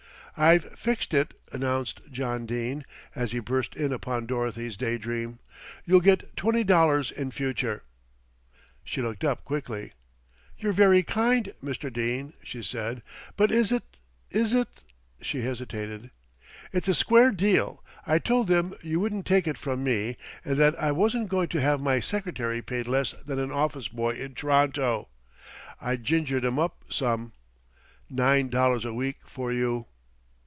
"I've fixed it," announced John Dene, as he burst in upon Dorothy's day dream. "You'll get twenty dollars in future." She looked up quickly. "You're very kind, Mr. Dene," she said, "but is it is it ?" she hesitated. "It's a square deal. I told them you wouldn't take it from me, and that I wasn't going to have my secretary paid less than an office boy in T'ronto. I gingered 'em up some. Nine dollars a week for you!"